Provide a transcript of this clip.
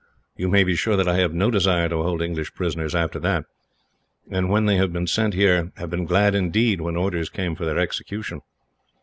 You may be sure that I have no desire to hold English prisoners, after that; and when they have been sent here have been glad, indeed, when orders came for their execution.